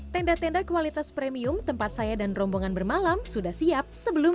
tenda tenda kualitas premium tempat saya dan rombongan bermalam sudah siap sebelum